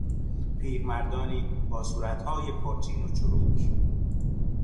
پیرمردانی با صورتهای پرچین و چروک